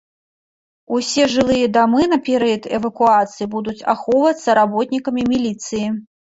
Усе жылыя дамы на перыяд эвакуацыі будуць ахоўвацца работнікамі міліцыі.